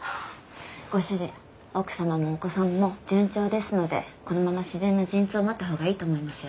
ご主人奥様もお子さんも順調ですのでこのまま自然な陣痛を待ったほうがいいと思いますよ。